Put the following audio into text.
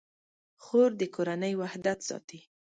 خور د کورنۍ وحدت ساتي.